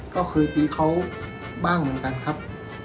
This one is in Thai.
ก็เคยตีเขาบ้างเหมือนกันครับ